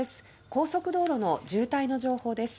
高速道路の渋滞の情報です。